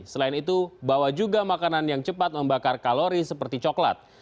selain itu bawa juga makanan yang cepat membakar kalori seperti coklat